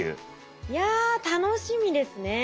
いや楽しみですね。